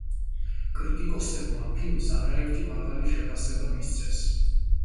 კრიტიკოსებმა ფილმს არაერთი მაღალი შეფასება მისცეს.